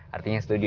artinya setuju ya